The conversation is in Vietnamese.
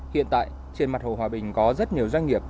hiện tại trên mặt hồ hòa bình có rất nhiều doanh nghiệp